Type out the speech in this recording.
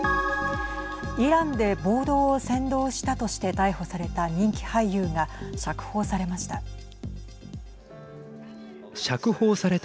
イランで暴動を扇動したとして逮捕された人気俳優が釈放されました。